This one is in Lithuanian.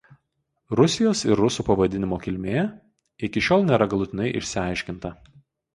Rusijos ir rusų pavadinimo kilmė iki šiol nėra galutinai išsiaiškinta.